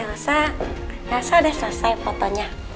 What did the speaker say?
nih masa nasa udah selesai fotonya